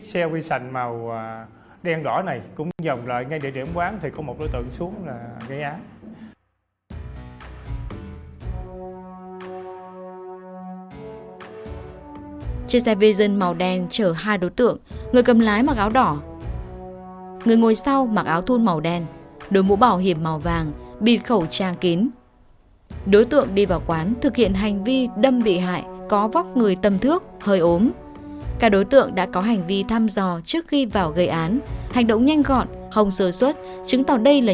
xe huy xanh màu đen đỏ này cũng nhận lại ngay địa điểm quán recite một câu tạ tượng xuống là